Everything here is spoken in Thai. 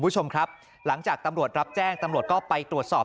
จากตำรวจรับแจ้งตำรวจก็ไปตรวจสอบ